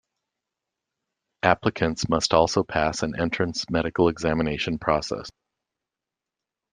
Applicants must also pass an entrance medical examination process.